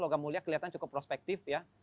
logam mulia kelihatan cukup prospektif ya